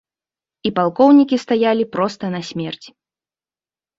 І палкоўнікі стаялі проста на смерць!